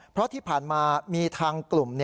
เพราะที่ผ่านมามีทางกลุ่ม